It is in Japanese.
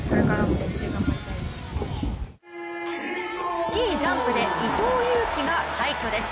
スキー・ジャンプで伊藤有希が快挙です。